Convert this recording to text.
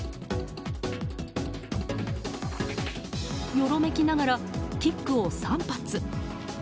よろめきながらキックを３発。